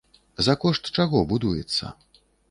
За кошт чаго будуецца?